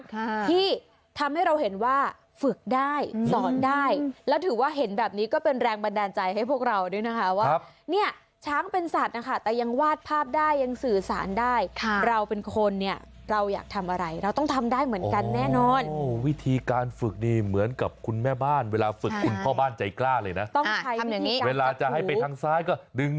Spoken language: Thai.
ค่ะที่ทำให้เราเห็นว่าฝึกได้สอนได้แล้วถือว่าเห็นแบบนี้ก็เป็นแรงบันดาลใจให้พวกเราด้วยนะคะว่าเนี่ยช้างเป็นสัตว์นะคะแต่ยังวาดภาพได้ยังสื่อสารได้ค่ะเราเป็นคนเนี่ยเราอยากทำอะไรเราต้องทำได้เหมือนกันแน่นอนโอ้วิธีการฝึกดีเหมือนกับคุณแม่บ้านเวลาฝึกคุณพ่อบ้านใจกล้าเลยนะต้องใช้อย่างงี้เวลาจะให้ไปทางซ้ายก็ดึง